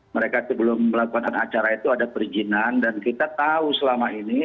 mereka sebelum melakukan acara itu ada perizinan dan kita tahu selama ini